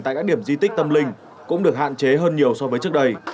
tại các điểm di tích tâm linh cũng được hạn chế hơn nhiều so với trước đây